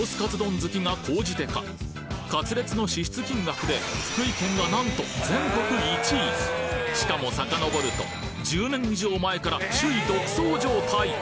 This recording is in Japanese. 好きが高じてかカツレツの支出金額で福井県がなんと全国１位しかもさかのぼると１０年以上前から首位独走状態